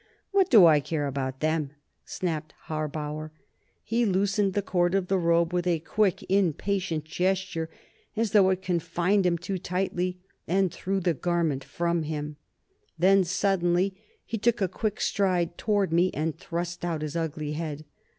"What do I care about them?" snapped Harbauer. He loosened the cord of the robe with a quick, impatient gesture, as though it confined him too tightly, and threw the garment from him. Then, suddenly, he took a quick stride toward me, and thrust out his ugly head.